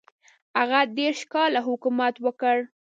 هغه دېرش کاله حکومت وکړ.